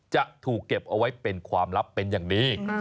จะถูกเก็บเอาไว้เป็นความลับเป็นอย่างดี